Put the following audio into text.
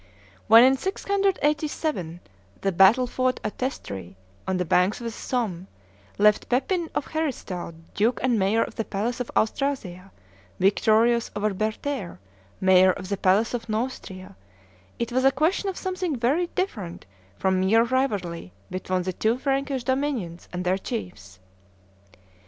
When in 687 the battle fought at Testry, on the banks of the Somme, left Pepin of Heristal, duke and mayor of the palace of Austrasia, victorious over Bertaire, mayor of the palace of Neustria, it was a question of something very different from mere rivalry between the two Frankish dominions and their chiefs.